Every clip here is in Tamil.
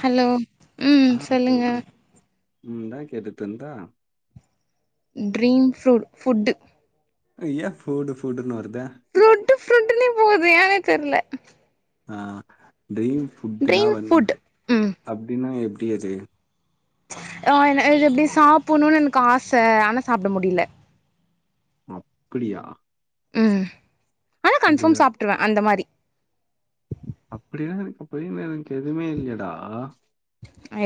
ஹலோ ம் ஆ சொல்லுங்க சொல்ட்றா நீந்தா கேட்டுட்ருந்த ட்ரீம் ஃபுரு ஃபுட் ஐ ஏ ஃபூடு ஃபூடுன் வருது ஃப்ரொட் ஃப்ரண்ட்டுனே போகுது ஏன்னே தெர்ல ஆ டரீம் ஃபுட்னா ட்ரீம் ஃபுட் வந்து ம் அப்டின்னா எப்டி அது ஆ அன் இது இப்டி சாப்பணுன் எனக்கு ஆச ஆனா சாப்ட முடில அப்புடியா ம் ஆனா கன்ஃபாம் அப்டியா சாப்ட்டுருவே அந்த மாரி அப்டின்னா அதுக்குப்பய எனக்கு எதுவுமே இல்லையடா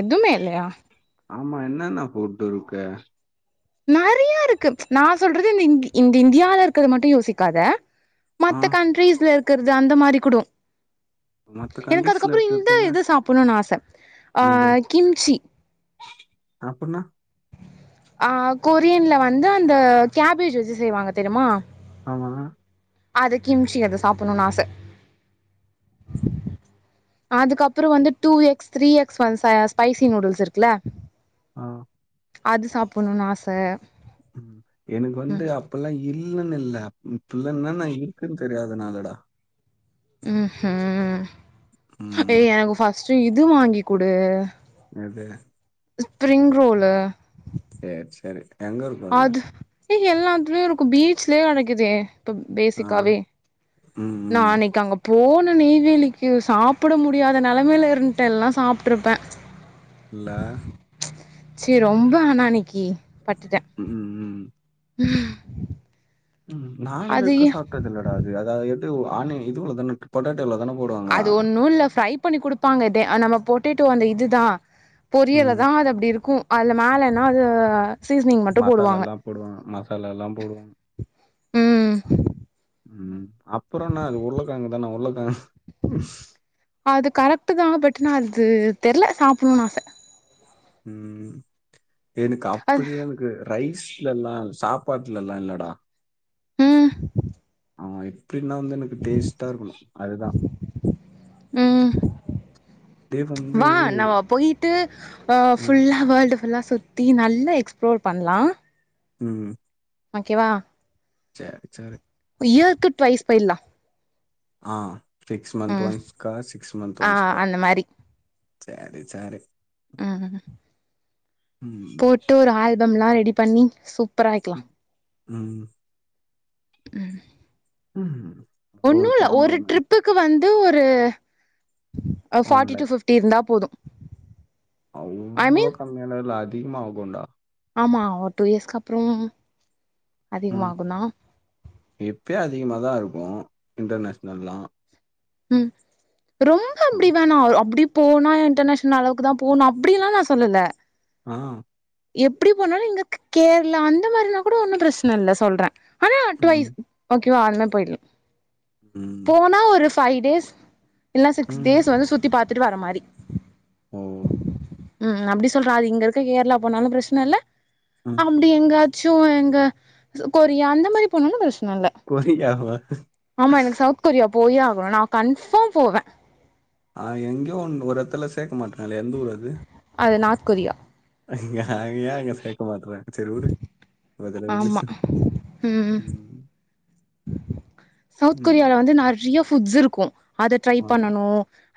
எதுமே இல்லயா ஆமா என்னன்ன போட்டு இருக்க நெறையா இருக்கு நா சொல்றது இந்த இந்த இந்தியால இருக்கறது மட்டு யோசிக்காத ஆ மத்த கண்ட்ரீஸ்ல இருக்கிறது அந்த மாரி கூட மத்த எனக்கு கண்ட்ரீஸ்ல அதுக்கப்பற இந்த இருக்கறதெல்லா இது சாப்பணுனு ஆச ஆ கிம்ச்சி அ அப்புன்னா ஆ கொரியன்ல வந்து அந்த கேபேஜ் வச்சு செய்வாங்க தெரியுமா ஆமா அது கிமிச்சி அத சாப்பணும்னு ஆச ஆஹ [inaudible] அதுக்கப்பற வந்து டூ எக்ஸ் த்ரீ எக்ஸ் ஒன்ஷ ஸ்பைசி நூடுல்ஸ் இருக்குல்ல ஆ அது சாப்பணுனு ஆச ம் எனக்கு வந்து ம் அப் இப்பல்லா இல்லன்னு இல்ல இப்பல்ல என்ன நா இருக்குன்னு தெரியாது நாலடா ம் ம் ம் ஏய் எனக்கு ஃபர்ஸ்ட்டு இது வாங்கி் குடு அது ஸ்பிரிங் ரோல சேரி சரி அது எல்லாத்துமே ஒரு பீச்லயே நடக்குதே இப்ப ஆ பேசிக்காவே ம் நா ம் நனைக்காங்க போன நெய்வேலிக்கு சாப்பட முடியாத நெலைமையில இருந்ட்ட எல்லா சாப்ட்ருப்பே இல்ல சரி ரொம்ப அனான்னைக்கு பட்டுட்டே ம் ம் ம் அது நாளைதக்க ஏ சாப்ட்டதுல்லடா அது அதாவது எது ஆ இதுவளவுதான பொண்டாட்டிய [unintelligible] தான போடுவாங்க ஒன்னு இல்ல ஃப்ரை பண்ணி குடுப்பாங்க இதே ஆனா நம்ம பொட்டேட்டோ அந்த இதுதா பொரியல ம் தா அது அப்டி இருக்கு அதுல மேலன்னாது மத்தால் எல்லா போடுவாங்க மசாலா எல்லாம் போடுவோ ம் ம் அப்புறம்ன அது உருளகெழங்கு தானா உருளகெழங் அது கரெக்ட்டு தா பட்டு் நா அது தெர்ல சாப்டணும்ன்னு ஆச ம் எனக்கு அது அப்டியா எனக்கு ரைஸ்ல எல்லா சாப்பாட்டுல எல்லா இல்லடா ம் ஆ எப்டின்னா வந்து எனக்கு டேஸ்ட்டா இருக்கணு அதுதா ம் அப்டியே வந்து வா நம்ம போயிட்டு ஆ ம் புல்லா வேர்ல்டு புல்லா சுத் தி நல்லா எக்ஸ்ப்ளோர் பண்ணலா ம் ஓகேவா சரி சரி இயக்கு ட்வைஸ் போய்ல்லா. ஆ சிக்ஸ் மந்த் ம் ஒன்ஸ்க்கா சிக்ஸ் மந்த் ஆ ஒன்ஸ்க்கா. அந்த மாரி சேரி சேரி. ம். ம் போட்டு ஒரு ஆல்பம்லா ரெடி பண்ணி சூப்பரா வெக்லா. ம் ம் ம் அது ஒன்னு இல்ல கேமரா ஒரு ஒன்னு வாங்கிட்டே ட்ரிப்புக் கு வந்து ஒரு அ one forty to lakh fifty இருந்தா போதும். அவ்ளோ கம்மியாலாலா இல்ல அதிகமா ஆகுண்டா. ஆமா ஒர் டூ இயஸ்க்கு அப்புறம் அதிகமாகுந்தா. இப்பியே அதிகமாதா இருக்கு இன்டர்நேஷ்னல்லா. ம் ரொம்ப அப்டி வேணா அப்டிப் போனா இன்டர்நேஷ்னல் அளவுக்கு தா போணு அப்டி எல்லா நா சொல்லல. ஆ எப்பிடி போனாலு இங்கக்க் கேரளா அந்த மாரினா கூட ஒன்னும் பிரச்சன இல்ல சொல்றே ஆனா ம் ட்வைஸ் ஓகே வா அந்மா போயிட்ல் ம் போனா ஒரு ஃபை டேஸ். இல்னா சிக்ஸ் ம் டேஸ் வந்து சுத்தி பாத்துட்டு வர மாரி. ஓ. ம் ம் அப்டி சொல்றே அது இங்க இருக்க கேரளா போனாலு பிரச்சன இல்ல ம் அப்டி எங்கா சு எங்க ச கொரியா அந்த மாரி போனாலு பிரச்ன இல்ல. கொரியாவா? ஆமா எனக்கு சவுத் கொரியா போயே ஆகணு நா கன்ஃபாம் போவே. ஆ எங்யோ ஒன் ஒரு எத்துல சேக்க மாட்டாங்ளே எந்த ஊர் அது? அது நாத் கொரியா. ஏ ஏ அங்க சேக்க மாட்றாங் செரி உடு. ஆமா [unintelligible] ம். சவுத் கொரியால ம் வந்து நறிய ஃபுட்ஸ் இருக்கு அத ட்ரை ஆ பண்ணனு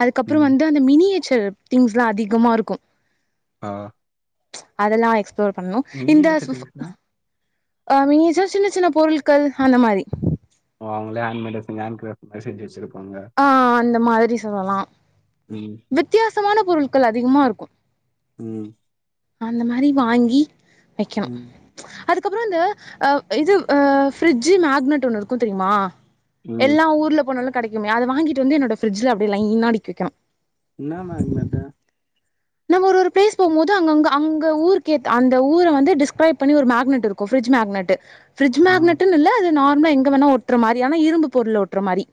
அதுக்கப்புறோ ம் வந்து அந்த மினியேச்சர் திங்ஸ்லா அதிகமா இருக்கு. ஆ. அதல்லா எக்ஸ்ப்ளோர் பண்ணு இந்த மினியேச்சர் ஃப்ஃப் செட்டிங்ஸ்னா அ மினியேச்சர் சின்ன சின்ன பொருள்கள் அந்த மாரி. ஓ அவுங்ளே ஹேன்மேடா செஞ்சு ஹேன்கிரேஃப்ட் மாரி செஞ்சு வெச்சிருப் ஆ ஆ அந்த மாதிரி சொல்லலா. ம் வித்தியாசமான பொருள்கள் அதிகமா இருக்கு. ம். அந்த மாரி வாங்கி வெக்கணு. ம் அதுக்கப்பறோ இந்த அவ் இதுவ் அ ஃபிரிட்ஜு மேக்னட் ஒண்ணு இருக்கு தெரிமா? ம் எல்லா ஊர்ல போனாலு கெடைக்குமே அத வாங்கிட்டு வந்து என்னோட ஃபிரிட்ஜில அப்டியே லைனா‌ அடிக்கி வெக்கணு. இன்னா மேக்னட்டு? நம்ம ஒரு ஒரு பிளேஸ் போமோது அங்கங்க அங்க ஊருக்கேத்த அந்த ஊர வந்து டிஸ்கிரைப் பண்ணி ஒரு மேக்னெட் இரு க்கு ஃப்ரிட்ஜ் மேக்னெட்டு. ஃப்ரிட்ஜ் ஆ மேக்னெட்டுன்னு இல்ல அது நார்மலா எங்க வேணா ஒட்ற மாரி ஆனா இரும்பு பொருள்ல ஒட்ற மாரி.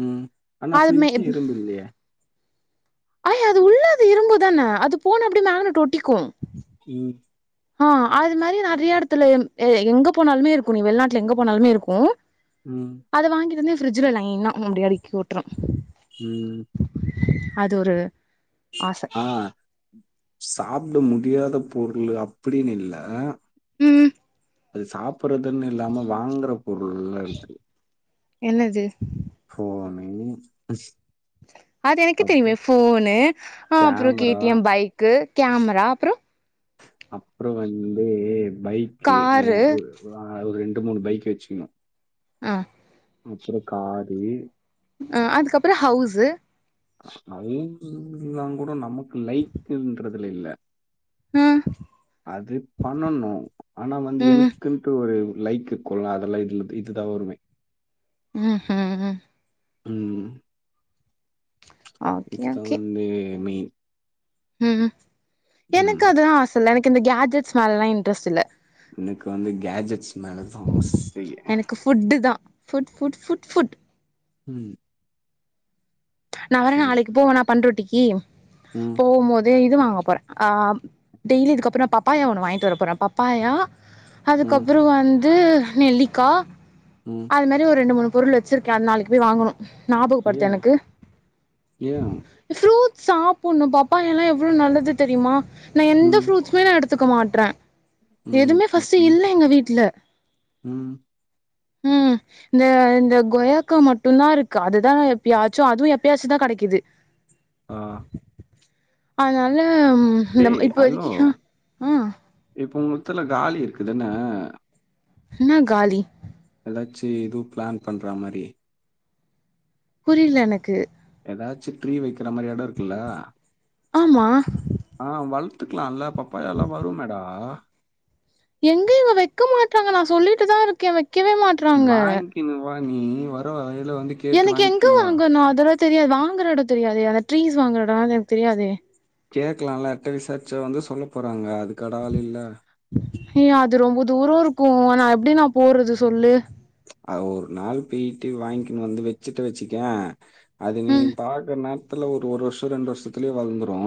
ம் ஆனா ஃப்ரிட்ஜி இரும்பு இல்லியே. அய் அது உள்ள அது இரும்புதான அது போன அப்டே மேக்னெட்டு ஒட்டிக்கு. ம். ஆ அது மாரி நறைய எடத்துல ம் எ எங்க போனாலுமே இருக்கு நீ வெள்நாட்ல எங்க போனாலுமே இருக்கு. ம். அத வாங்கிட்டு வந்து ஃபிரிட்ஜில லைனா அப்டி அடிக்கி வூட்ரூ ம் அது ஒரு ஆச ஆ சாப்ட முடியாதப் பொருளு அப்டினு இல்ல ம் அது சாப்பறதுன்னு இல்லாம வாங்கறப் பொருள்ல இருக்கு என்னது ஃபோனை ஸ் அது எனக்கேத் தெரியுமே ஃபோனு அப்ற கே கேமரா டி எம் பைக்கு கேமரா அப்றோ அப்றோ வந்து பைக்கு ந காரு ஒரு ஆ ஒரு ரெண்டு மூனு பைக்கு வச்சுகினு ஆ அப்றோ காரு அ அதுக்கப்றோ ஹவுஸு ஸ்பைன்னாங் கூட நமக்கு லைக்குன்றதுல இல்ல ஆ ம் அதுப் பண்ணணு ஆனா வந்து ம் எனக்குன்ட்டு ஒரு லைக்கு குல்ல அதலா இதுலத் இதுதா வருவே ம் ம் ம் ஓகே இதுதா ஓகே வந்தே மெய்ன் ம் எனக்கு ம். அதெலா ஆச இல்ல எனக்கு இந்த கேட்ஜெட்ஸ் மேலல்லா இன்ட்ரெஸ்ட் இல்ல எனக்கு வந்து கேட்ஜெட்ஸ் மேலதா ஆசையே ஃபுட்டுதா ஃபுட் ஃபுட் ஃபுட் ஃபுட் ம் நா வேற சரி. நாளைக்குப் போவனா பண்றொட்டிக்கி ம் போம்மோதே இது வாங்கப் போற ஆம் டெய்லி இதுக்கப்றோ நா பப்பாயா ஒன்னு வாய்ன்ட்டு வரப் போறே பப்பாயா ம். அதுக்கப்றோ வந்து நெல்லிக்கா ம் அது மாரி ஒரு ரெண்டு மூனு பொருள் வச்சிருக்க அது நாளிக்கு போய் வாங்கணு நாபகப்படுத்து எனக்கு ஏ ஃப்ரூட்ஸ் சாப்புன்னு பப்பாயாலா எவ்ளோ நல்லது தெரியுமா நா எந்த ம். ஃப்ரூட்ஸ் துமே நா எடுத்துக்க மாட்ற ம். எதுமே ம். பர்ஸ்ட்டு ம். இல்ல எங்க வீட்ல ம். ம் இந்த இந்த கொயாக்கா மட்டுந்தா இருக்கு அதுதா எப்பியாச்சு அதுவு எப் பியாச்சுதா கடைக்குது ஆ அதனாலம் இந்தம் டேய் ஹலோ! இப்போதைக்கு அ அ இப்ப முத்துல காலி இருக்குதுன்ன என்ன காலி எலாச்சு எதும் பிளான் பண்ற மாரி புரில எனக்கு எதாச்சு ட்ரீ வக்கிற மாரி எட இருக்குல ஆமா ஆ வள்த்துக்லா இல்ல பப்பாயாலா வருமேடா எங்க இவ வக்க மாட்றாங்க நா சொல்லிட்டுதா இருக்கே வக்கவே மாட் வாங்கினு வா நீ வர்ற வழியில வந்து கேட்டு எனக்கு எங்க வாங்கிக்கின்னு வா வாங்கனு அதெல்லா தெரியாது வாங்குற எடோ தெரியாதே அந்த ட்ரீஸ் வாங்குற எடோ அது எனக்கு தெரியாதே கேக்கலால யார்டாது விசார்ச்சா வந்து சொல்ல போறாங்க அதுக்காடா ஆளுல்ல யே அது ரொம்ப தூரோ இருக்கோ நா எப்டி நா போறது சொல்லு ஆ ஒரு நாள் போய்ட்டு வாங்கின்னு வந்து வச்சுட்டு வச்சிகயே அது நீ ம் பாக்குற நேரத்துல ஒரு ஒரு வர்ஷோ ரெண்டு வர்ஷத்துலே வளந்துரோ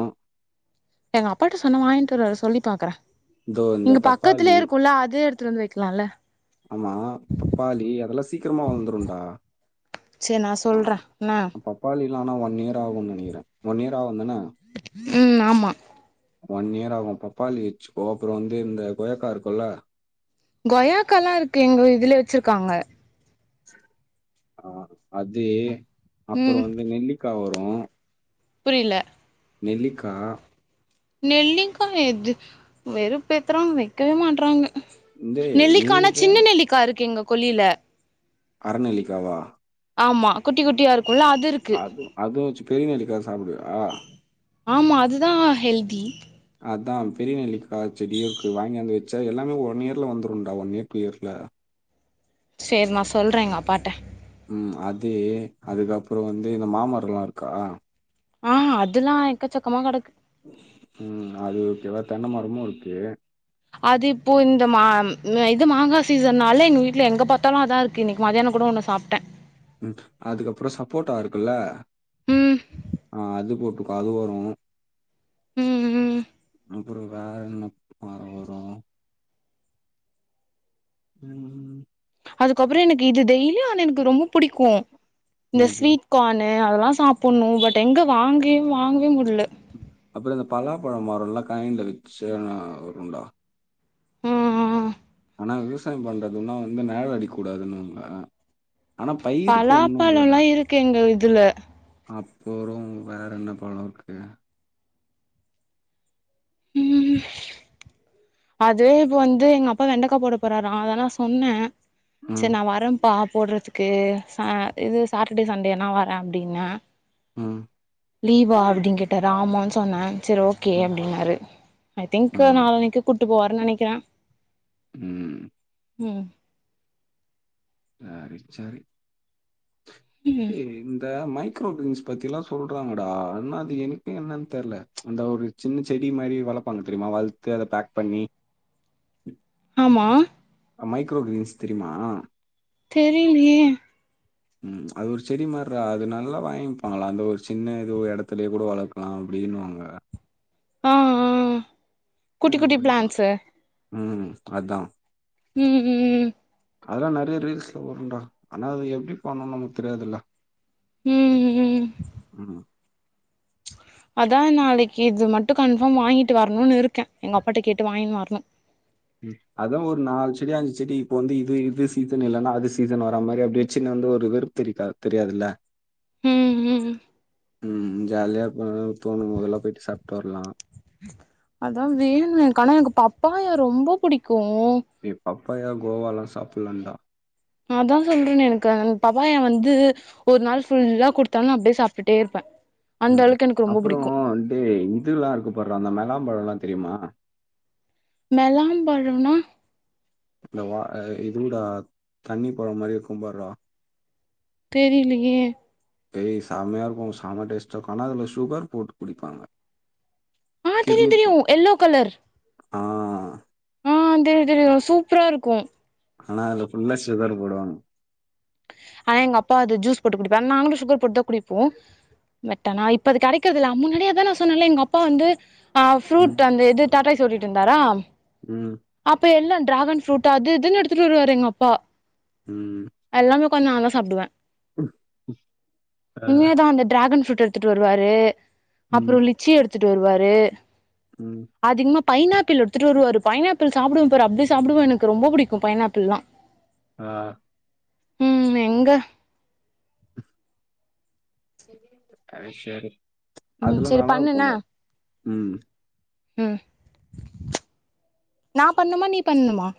எங்க அப்பாயிட்ட சொன்னா வாங்கிட்டு வருவாரு சொல்லி பாக்குற இதோ இந்த இங்க பக்கத்துலே பப்பாளி இருக்குல அதே எடுத்துனு வந்து வெக்கலால ஆமா தப்பாளி அதெல்லா சீக்கிரமா வளந்துருடா செரி நா சொல்ற என்ன பப்பாளிலா ஆனா ஒன் இயர் ஆகு நெனைக்கிற ஒன் இயர் ஆவுந்தன ம் ஆமா ஒன் இயர் ஆகு பப்பாளி வச்சுக்கோ அப்புறோ வந்து இந்த கொயாக்கா இருக்கும்ல கொயாக்கல்லா இருக்கு எங்க வீ இதுலே வச்சிருக்காங்க அ அது அப்புறோ ம் வந்து நெல்லிக்கா வரு புரியல நெல்லிக்கா நெல்லிக்கா எது வெறுப்பேத்துறா வெக்கவே மாட்றாங்க டேய் நீ நெல்லிக்கானா சின்ன வேணா நெல்லிக்கா இருக்கு எங்க கொல்லியில அரநெல்லிக்காவா ஆமா குட்டி குட்டியா இருக்கும்ல அது இருக் அதும் அதுவும் வச்சு பெரிய நெல்லிக்கா சாப்டுவியா ஆமா அதுதா ஹெல்தி அதா பெரிய நெல்லிக்கா செடியு இருக்கு வாங்கியாந்து வச் சா எல்லாமே ஒன் இயர்ல வந்துருன்டா ஒன் இயர் டூ இயர்ஸ்ல செரி நா சொல்றே எங்க அப்பாட்ட ம் அது அதுக்கு அப்றோ வந்து இந்த மாமரொல்லா இருக்கா ஆ அதெல்லா எக்கச்சக்கமா கெடக்கு உம் நா அது ஓகேவா தென்ன மரமு இருக்கு அது இப்போ இந்த மா இது மாங்கா சீசன்னால எங்க வீட்ல எங்க பாத்தாலு அதா இருக் கு இன்னக்கு மதியானோ கூட ஒன்னு சாப்ட ம் அதுக்கப்புறோ சப்போட்டா இருக்குல்ல ம் ஆ அது போட்டுக் அது வரு ம் ம் ம் ப்புறோ வேறு என்ன மரோ வரு ம் ம் அதுக்கப்புறோ எனக்கு இது டெய்லியு ஆனா எனக்கு ரொம்ப புடிக்கு இந்த என்னது ஸ்வீட் கானு அதெல்லா சாப்புட்ணு பட் எங்க வாங்க வாங்கவே முடியல அப்புறோ இந்த பலாப்பழோ மரோல்லா [unintelligible] ல வச்சா வருங்ளா ம் ம் ஆனா விவசாயோ பண்றதுன்னா வந்து மேல அடிக்க கூடாதுன்னுவாங்க ஆனா பயிருக்கு ஒண்ணு இல்லடா பலாப்பழம்லா இருக்கு எங்க இதுல அப்பறோ வேற என்ன பழோ இருக்கு ம் அது இப்ப வந்து எங்க அப்பா வெண்டக்கா போடப் போறாரா அதா நா சொன்னே செரி ம் நா வரேம் ப்பா போட்றதுக்கு ச இது சாட்டர்டே சண்டேனா வர அப்டின்னா ம் லீவா அப்டின்னு கேட்டாரு ஆமான் சொன்ன செர் ஓகே ம் அப்டின்னாரு ஐ திங்க் ம் நாளன்னைக்கு கூட்டு போவாருன்னு நெனைக்கிற ம் ம் சாரி சாரி ம் இந்த மைக்ரோடுவின்ஸ் பத்திலா சொல்றாங்கடா ஆனா அது என்க்கு என்னன் தெர்ல அந்த ஒரு சின்ன செடி மாரி வளப்பாங்க தெரியுமா வளத் து அத பேக் பண்ணி ஆமா அ மைக்ரோ குவின்ஸ் தெரியுமா தெரீலயே ம் அது ஒரு செடி மார்ரா அது நல்லா வாங்கிப்பாங்களா அந்த ஒரு சின்ன எதோ எடத்துலயே கூட வளக் லா அப்டின்னுவாங்க ஆ ஆ குட்டி குட்டி பிளான்ஸு ம் அதா ம் ம் அதல்லா நெறைய ரீல்ஸ்ல வருன்டா ஆனா அது எப்பிடி பண்ணனு நமக்கு தெரியாதுல்ல ம் ம் ம் அதா நாளைக்கு இது மட்டு கன்ஃபார்ம் வாங்கிட்டு வரணுனு இருக்கே எங்க அப்பாட்ட கேட்டு வாங்கினு வரணு ம் அதா ஒரு நாலு செடி அஞ்சு செடி இப்ப வந்து இது இது சீசன் இல்லன்னா அது சீசன் வர்ற மாரி அப்பிடி வச்சுனு வந்து ஒரு வெறும் தெரிக்கா தெரியாதுல்ல ம் ம் ம் ஜாலியா போனு தோணும் மொதல்லா போயிட்டு சாப்ட்டு வரலா அதா வேணுமே கானா எனக் பப்பாயா ரொம்ப புடிக்கு ஏ பப்பாயா கோவாலா சாப்புலான்டா அதா சொல்றனே எனக்கு பபாயா வந்து ஒரு நாள் ஃபுல்லா குடுத்தாலு நா அப்டியே சாப்ட்டுட்டே இருப்பே அந்த ம் ம் அளவுக்கு எனக்கு ரொம்ப அப்புறோ புடிக்கு டே இதுல்லா இருக்கு பார்ரா அந்த மெலாம்பழொல்லா தெரியுமா மெலாம்பழோனா இந்த வ அ இதூட தண்ணி பழ மாரி இருக்கும் பார்ரா தெரிலீயே ஏய் செமையா இருக்கு செம டேஸ்ட்டா இருக்கு ஆனா அதுல சுகர் போட்டு குடிப்பாங்க ஆ கிர்ணி தெரியு தெரியு ப எல்லோ கலர் ஆ ஆ தெரியு தெரியு சூப்பரா இருக்கும் ஆனா அதுல ஃபுல்லா சுகர் போடுவாங் ஆனா எங்க அப்பா அது ஜூஸ் போட்டு குடிப்பாங் நாங்களு சுகர் போட்தா குடிப்போ பட் ஆனா இப்ப அது கெடைக்குறதில்ல அம் முன்னாடியே அதா நா சொன்னல எங்க அப்பா வந்து நா ம் ஃப்ரூட் அந்த இது டாட்டாய் சொல்லிட்டு இருந்தாரா ம் அப்ப எல்லா டிராகன் ஃப்ரூட் அது இதுன்னு எடுத்துட்டு வருவாரு எங்க அப்பா ம் எல்லாமே உக்காந் நான்தா சாப்புடுவே ஆ உண்மையாதா அந்த டிராகன் ஃப்ரூட் த்துட்டு வருவாரு ம் அப்றோ லிச்சி எடுத்துட்டு வருவாரு ம் அதிகமா பைானாப்பிள் எடுத்துட்டு வருவாரு பைனாப்பிள் சாப்புடுவே பாரு அப்டி சாப்டுவ எனக்கு ரொம்ப புடிக்கு பைனாப்பிள்லா ஆ ம் எங்க அது சேரி ம் அதுல செரி பண்ணு என்ன நல்லாருக்குங்க ம் ம் நா பண்ணுமா நீ பண்ணுமா